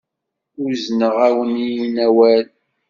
Uzneɣ-awen-in awal.